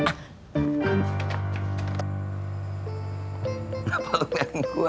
kenapa lu main gua